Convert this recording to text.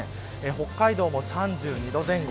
北海道も３２度前後。